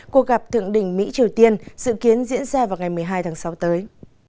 cuộc gặp thượng đỉnh mỹ triều tiên dự kiến diễn ra vào ngày một mươi hai tháng sáu tới